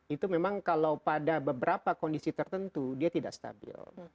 itu memang kalau pada beberapa kondisi tertentu dia tidak stabil